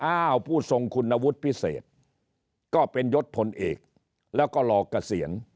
ผู้ทรงคุณวุฒิพิเศษก็เป็นยศพลเอกแล้วก็รอเกษียณ